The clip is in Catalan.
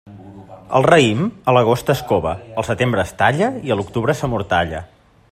El raïm, a l'agost es cova, al setembre es talla i a l'octubre s'amortalla.